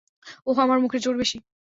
ওহ, আমার মুখের জোর বেশি?